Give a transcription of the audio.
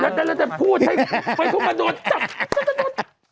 พูดให้ไว้ทุกมันโดนจับจับจับ